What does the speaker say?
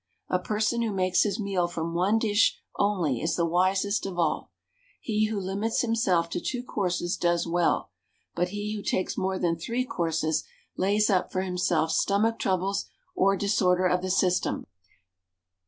A person who makes his meal from one dish only is the wisest of all. He who limits himself to two courses does well, but he who takes more than three courses lays up for himself stomach troubles or disorder of the system.